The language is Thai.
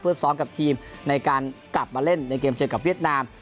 ซ้อมกับทีมในการกลับมาเล่นในเกมเจอกับเวียดนาม